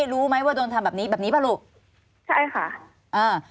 รู้ไหมว่าโดนทำแบบนี้แบบนี้ป่ะลูกใช่ค่ะอ่า